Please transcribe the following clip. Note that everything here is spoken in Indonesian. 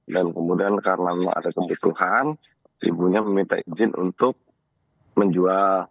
dan kemudian karena ada kebutuhan ibunya meminta izin untuk menjual